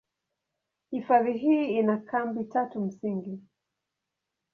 Hifadhi hii ina kambi tatu msingi.